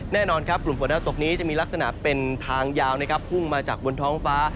แน่นอนครับกลุ่มฝนดาวตกนี้จะมีลักษณะเป็นทางยาวนะครับพุ่งมาจากบนท้องฟ้า